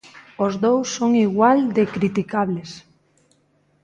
Os dous son igual de criticables.